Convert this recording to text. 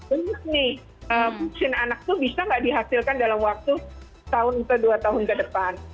ingat nih vaksin anak tuh bisa nggak dihasilkan dalam waktu tahun atau dua tahun ke depan